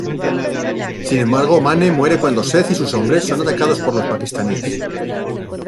Sin embargo Manne muere cuando Seth y sus hombres son atacados por los paquistaníes.